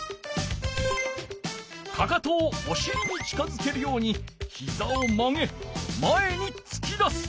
かかとをおしりに近づけるようにひざを曲げ前につき出す。